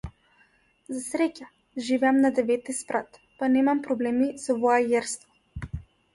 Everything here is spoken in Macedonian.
За среќа, живеам на деветти спрат, па немам проблеми со воајерство.